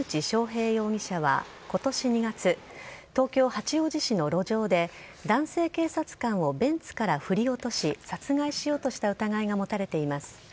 平容疑者は今年２月東京・八王子市の路上で男性警察官をベンツから振り落とし殺害しようとした疑いが持たれています。